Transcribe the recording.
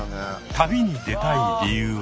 旅に出たい理由は？